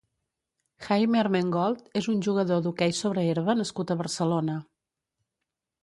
Jaime Armengold és un jugador d'hoquei sobre herba nascut a Barcelona.